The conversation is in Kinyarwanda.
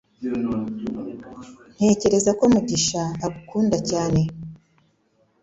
Ntekereza ko Mugisha agukunda cyane.